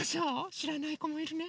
しらないこもいるね！